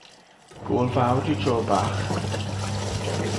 Gôl fawr i Joe bach.